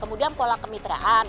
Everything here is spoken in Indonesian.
kemudian pola kemitraan